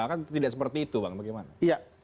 kan tidak seperti itu bang bagaimana